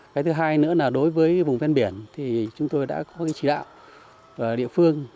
cái thứ hai nữa là đối với vùng bên biển chúng tôi đã có chỉ đạo địa phương